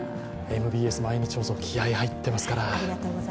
ＭＢＳ毎日放送、気合い入ってますから。